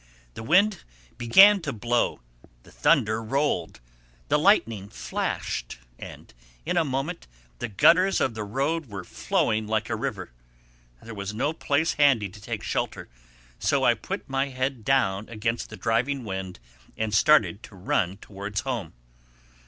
The wind began to blow; the thunder rolled; the lightning flashed, and in a moment the gutters of the road were flowing like a river. There was no place handy to take shelter, so I put my head down against the driving wind and started to run towards home.